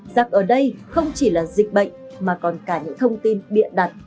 giặc ở đây không chỉ là dịch bệnh mà còn cả những thông tin bịa đặt